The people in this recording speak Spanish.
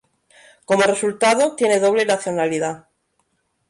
Como resultado, tiene doble nacionalidad.